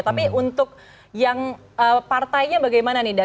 tapi untuk yang partainya bagaimana nih